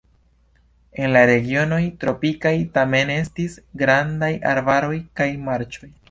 En la regionoj tropikaj tamen estis grandaj arbaroj kaj marĉoj.